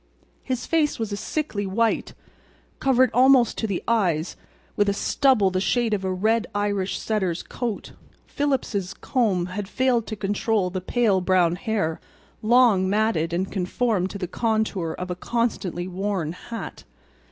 His face was a sickly white, covered almost to the eyes with a stubble the shade of a red Irish setter's coat. Phillips's comb had failed to control the pale brown hair, long matted and conformed to the contour of a constantly worn hat.